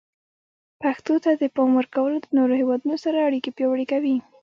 پښتو ته د پام ورکول د نورو هیوادونو سره اړیکې پیاوړي کوي.